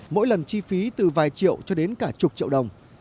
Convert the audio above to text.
mỗi lần chi phí từ vài triệu cho đến cả chục triệu đồng